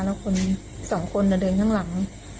แล้วคนสองคนเดินข้างหลัง